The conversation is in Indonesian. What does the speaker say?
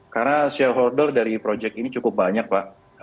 karena share holder dari projek ini cukup banyak pak